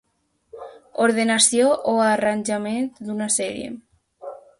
Ordenació o arranjament d'una sèrie.